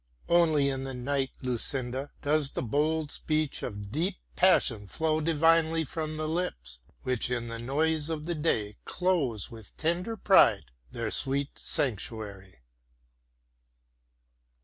Only in the night, Lucinda, does the bold speech of deep passion flow divinely from the lips, which in the noise of the day close with tender pride their sweet sanctuary."